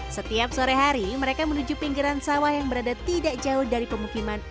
setiap sore hari mereka menuju pinggiran sawah yang berada tidak jauh dari pemukiman